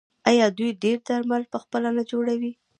آیا دوی ډیری درمل پخپله نه جوړوي؟